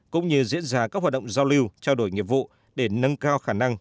cũng như diễn ra các hoạt động giao lưu trao đổi nghiệp vụ để nâng cao khả năng